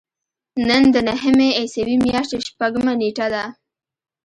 نن د نهمې عیسوي میاشتې شپږمه نېټه ده.